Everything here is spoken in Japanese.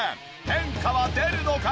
変化は出るのか？